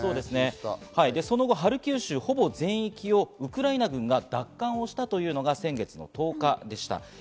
その後、ハルキウ州ほぼ全域をウクライナ軍が奪還したというのが先月１０日でした。